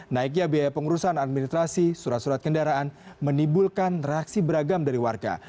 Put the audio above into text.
naiknya biaya pengurusan administrasi surat surat kendaraan menibulkan reaksi beragam dari warga